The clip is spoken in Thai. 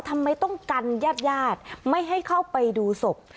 ทำไมต้องกันญาติญาติไม่ให้เข้าไปดูศพ